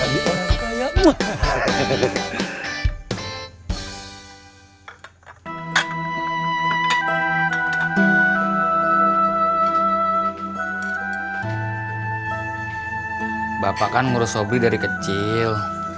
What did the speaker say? bapak kan ngurus sobri dari kecil